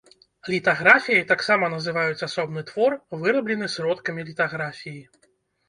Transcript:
Літаграфіяй таксама называюць асобны твор, выраблены сродкамі літаграфіі.